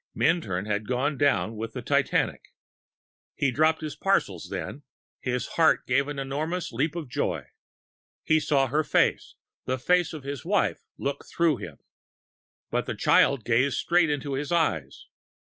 Minturn had gone down with the Titanic. He dropped his parcels then. His heart gave an enormous leap of joy. He saw her face the face of his wife look through him. But the child gazed straight into his eyes.